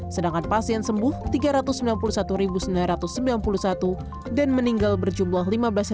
sedangkan pasien sembuh tiga ratus sembilan puluh satu sembilan ratus sembilan puluh satu dan meninggal berjumlah lima belas